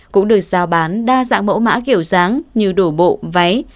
cũng được giao bán đa dạng mẫu mã kiểu dáng như đổ bộ váy